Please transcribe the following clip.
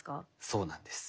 そうなんです。